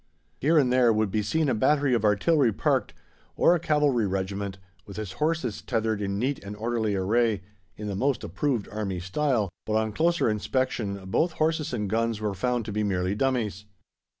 Here and there would be seen a battery of artillery parked, or a cavalry regiment, with its horses tethered in neat and orderly array, in the most approved army style, but on closer inspection both horses and guns were found to be merely dummies!